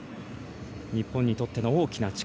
日本にとっての大きな力。